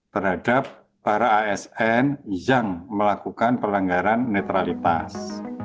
terhadap para asn yang melakukan pelanggaran netralitas